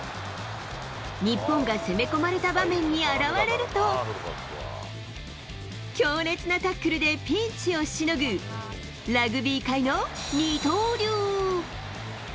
日本が攻め込まれた場面に現れると、強烈なタックルでピンチをしのぐラグビー界の二刀流。